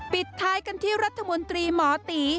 ปิดท้ายกันที่รัฐมนตรีหมอตี